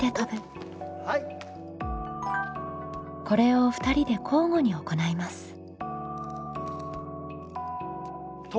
これを２人で交互に行います。